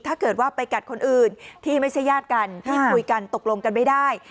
ถ้าเกิดว่าไปกัดคนอื่นที่ไม่ใช่ญาติกันที่คุยกันตกลงกันไม่ได้